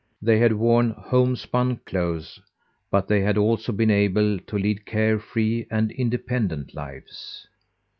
They had worn homespun clothes, but they had also been able to lead care free and independent lives.